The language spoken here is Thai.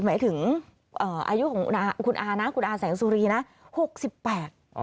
หมายถึงอายุของคุณอาคุณอาแสงสุรีนะ